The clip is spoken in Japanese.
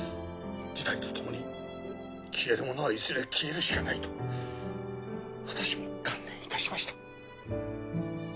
時代とともに消えるものはいずれ消えるしかないと私も観念いたしました。